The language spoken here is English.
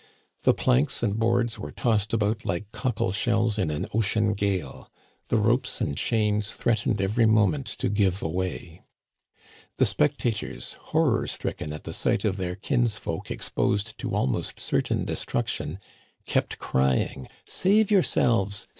The planks and boards were tossed about like cockle shells in an ocean gale. The ropes and chains threatened every moment to give away. The spectators, horror stricken at the sight of their kinsfolk exposed to almost certain destruction, kept cry ing :" Save yourselves !